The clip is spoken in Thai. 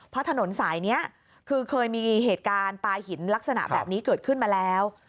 เพราะถนนสายนี้คือเคยมีเหตุการณ์ปลาหินลักษณะแบบนี้เกิดขึ้นมาแล้ว